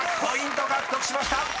［１００ポイント獲得しました］